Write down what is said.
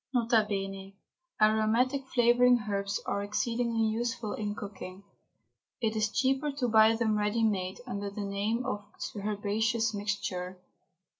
N.B. Aromatic flavouring herbs are exceedingly useful in cooking. It is cheaper to buy them ready made, under the name of Herbaceous Mixture.